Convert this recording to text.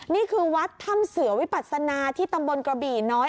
นี่คือวัดถ้ำเสือวิปัศนาที่ตำบลกระบี่น้อย